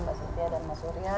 mbak cynthia dan mbak surya